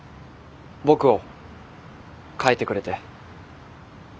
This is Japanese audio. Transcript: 僕を変えてくれて。